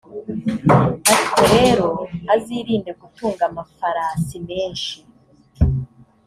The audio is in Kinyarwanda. ariko rero, azirinde gutunga amafarasi menshi,